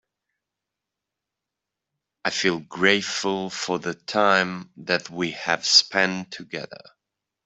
I feel grateful for the time that we have spend together.